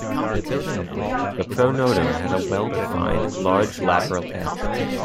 The pronotum has a well defined, large lateral edge.